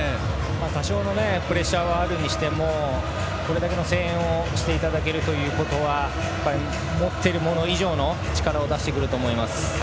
多少のプレッシャーはあるにしてもこれだけの声援をしていただけるということは持っているもの以上の力を出してくると思います。